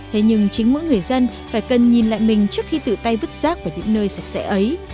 thế nhưng chính mỗi người dân phải cần nhìn lại mình trước khi tự tay vứt rác vào những nơi sạch sẽ ấy